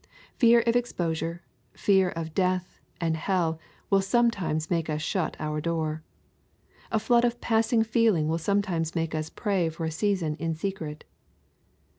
Fear of exposure, fear of death and hell, will sometimes make us shut our door. A flood of passing feeling will sometimes make us pray for a season in secret.